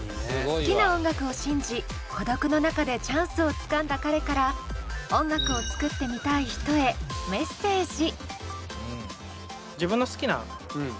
好きな音楽を信じ孤独の中でチャンスをつかんだ彼から音楽を作ってみたい人へメッセージ。